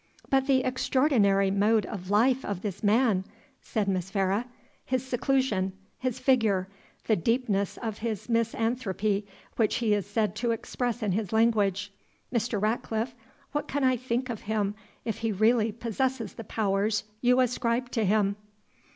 "But the extraordinary mode of life of this man," said Miss Vere; "his seclusion his figure the deepness of mis anthropy which he is said to express in his language Mr. Ratcliffe, what can I think of him if he really possesses the powers you ascribe to him?"